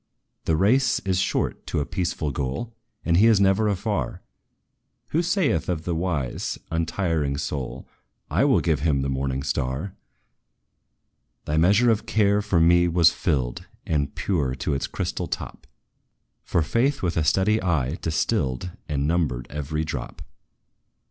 "The race is short to a peaceful goal, And He is never afar, Who saith of the wise, untiring soul, 'I will give him the morning star!' "Thy measure of care for me was filled, And pure to its crystal top; For Faith, with a steady eye, distilled And numbered every drop.